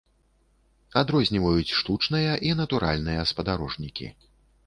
Адрозніваюць штучныя і натуральныя спадарожнікі.